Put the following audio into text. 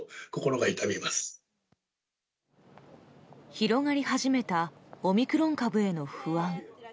広がり始めたオミクロン株への不安。